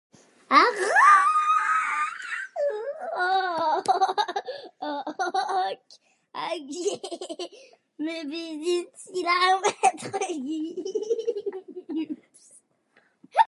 Ar rock ! hag ivez me 'blij din selaou Maitre Gims !